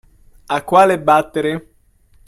A quale battere?